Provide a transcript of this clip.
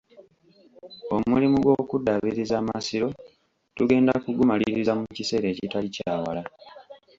Omulimu gw'okuddaabiriza amasiro tugenda kugumaliriza mu kiseera ekitali kya wala.